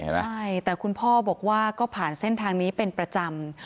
ใช่แต่คุณพ่อบอกว่าก็ผ่านเส้นทางนี้เป็นประจำ